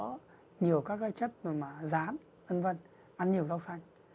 ăn nhiều các chất gián ăn nhiều rau xanh